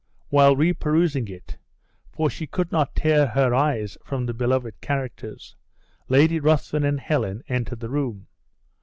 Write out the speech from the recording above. While reperusing it for she could not tear her eyes from the beloved characters Lady Ruthven and Helen entered the room.